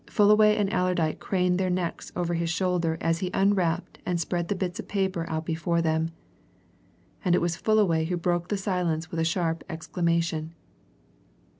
Fullaway and Allerdyke craned their necks over his shoulders as he unwrapped and spread the bits of paper out before them. And it was Fullaway who broke the silence with a sharp exclamation.